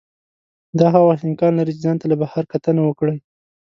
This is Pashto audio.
دا هغه وخت امکان لري چې ځان ته له بهر کتنه وکړئ.